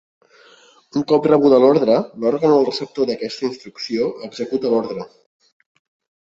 Un cop rebuda l'ordre, l'òrgan o el receptor d'aquesta instrucció, executa l'ordre.